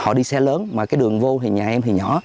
họ đi xe lớn mà cái đường vô thì nhà em thì nhỏ